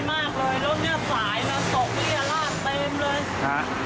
แล้วสายน่ะตกลี่ลาดเต็มเลย